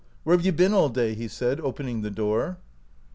Where have you been all day ?" he said, opening the door.